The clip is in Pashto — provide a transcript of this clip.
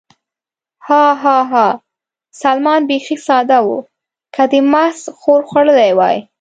ها، ها، ها، سلمان بېخي ساده و، که دې محض ښور خوړلی وای.